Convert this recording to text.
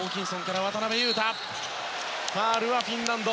ファウルはフィンランド。